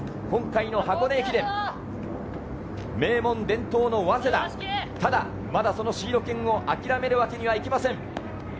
今回の箱根駅伝、名門、伝統の早稲田、ただまだそのシード権を諦めるわけにはいきません。